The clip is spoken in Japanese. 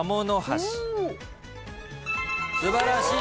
素晴らしい！